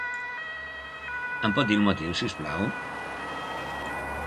Em pot dir el motiu, si us plau?